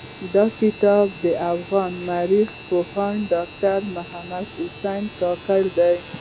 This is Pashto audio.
دا کتاب د افغان مٶرخ پوهاند ډاکټر محمد حسن کاکړ دٸ.